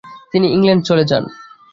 তিনি ইংল্যান্ড চলে যান।